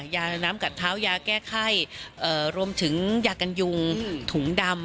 ยาน้ำกัดเท้ายาแก้ไข้รวมถึงยากันยุงถุงดำ